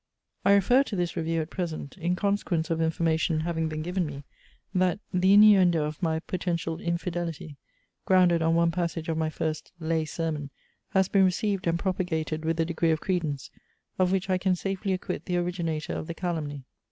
I refer to this review at present, in consequence of information having been given me, that the inuendo of my "potential infidelity," grounded on one passage of my first Lay Sermon, has been received and propagated with a degree of credence, of which I can safely acquit the originator of the calumny.